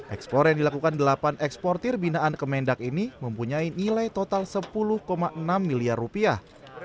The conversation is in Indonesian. ekspor yang dilakukan delapan eksportir binaan kemendak ini mempunyai nilai total sepuluh enam miliar rupiah